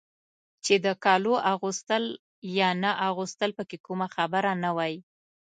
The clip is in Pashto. چې د کالو اغوستل یا نه اغوستل پکې کومه خبره نه وای.